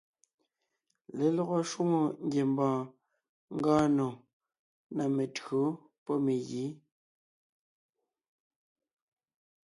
Lelɔgɔ shwòŋo ngiembɔɔn ngɔɔn nò ná mentÿǒ pɔ́ megǐ.